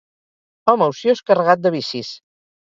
Home ociós, carregat de vicis.